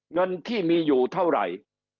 เงินที่มีอยู่เท่าไหร่